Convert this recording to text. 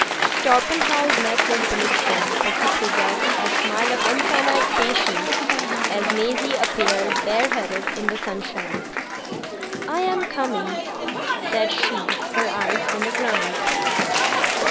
Torpenhow's neck was blistering, but he preserved a smile of infinite patience as Maisie's appeared bareheaded in the sunshine. "I am coming," said she, her eyes on the ground.